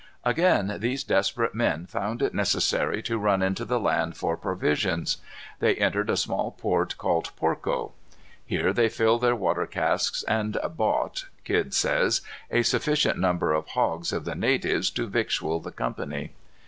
Again these desperate men found it necessary to run into the land for provisions. They entered a small port called Porco. Here they filled their water casks, and "bought," Kidd says, a sufficient number of hogs of the natives to victual the company.